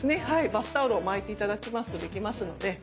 バスタオルを巻いて頂きますとできますので。